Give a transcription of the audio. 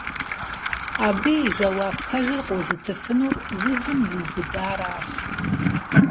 Абы и жэуап пэжыр къозытыфынур узым иубыдаращ.